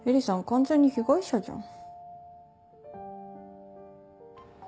完全に被害者じゃん。